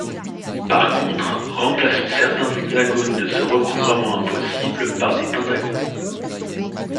Par contre, remplaçons certains hexagones de ce recouvrement impossible par des pentagones.